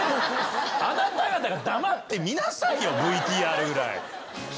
あなた方黙って見なさいよＶＴＲぐらい。